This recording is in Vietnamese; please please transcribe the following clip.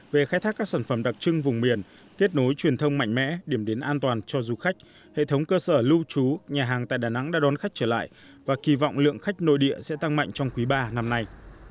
về khai thác các sản phẩm đặc trưng vùng miền kết nối truyền thông mạnh mẽ điểm đến an toàn cho du khách hệ thống cơ sở lưu trú nhà hàng tại đà nẵng đã đón khách trở lại và kỳ vọng lượng khách nội địa sẽ tăng mạnh trong quý ba năm nay